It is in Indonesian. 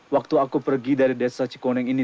waktu aku pergi dari desa cikoneng ini